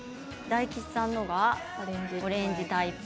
大吉さんのはオレンジタイプ。